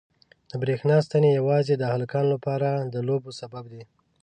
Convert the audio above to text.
د برېښنا ستنې یوازې د هلکانو لپاره د لوبو سبب دي.